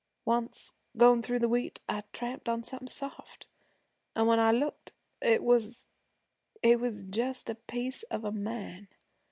Once, goin' through the wheat, I tramped on something soft, an' when I looked, it was it was just a piece of a man.